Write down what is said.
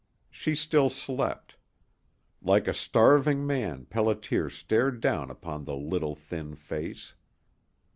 She still slept. Like a starving man Pelliter stared down upon the little thin face.